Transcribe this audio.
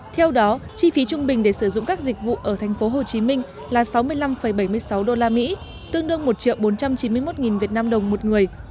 theo đó chi phí trung bình để sử dụng các dịch vụ ở thành phố hồ chí minh là sáu mươi năm bảy mươi sáu usd tương đương một bốn trăm chín mươi một vnđ một người